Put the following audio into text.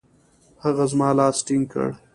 هغه زما لاس ټینګ کړ.